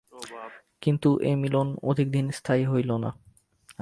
কিন্তু, এ মিলন অধিকদিন স্থায়ী হইল না।